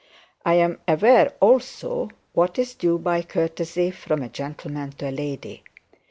I am aware also what is due by courtesy from a gentleman to a lady.